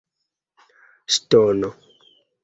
ŝtono